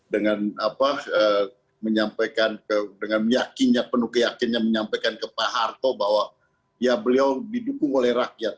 dengan penuh keyakinan menyampaikan ke pak hato bahwa beliau didukung oleh rakyat